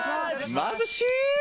まぶしい！